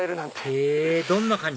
へぇどんな感じ？